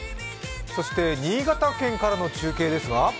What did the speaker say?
そして新潟県からの中継です。